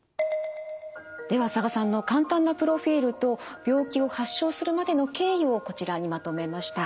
では佐賀さんの簡単なプロフィールと病気を発症するまでの経緯をこちらにまとめました。